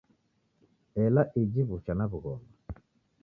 Ela iji w'ucha na w'ughoma